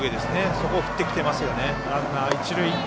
そこを振ってきてますよね。